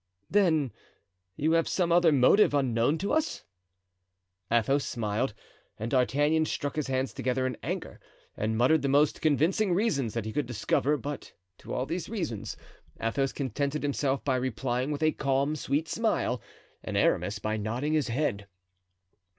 "Then you have some other motive unknown to us?" Athos smiled and D'Artagnan struck his hands together in anger and muttered the most convincing reasons that he could discover; but to all these reasons Athos contented himself by replying with a calm, sweet smile and Aramis by nodding his head.